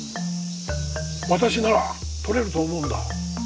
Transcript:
私なら撮れると思うんだ。